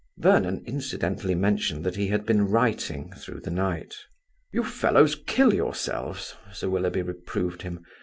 Vernon incidentally mentioned that he had been writing through the night. "You fellows kill yourselves," Sir Willoughby reproved him.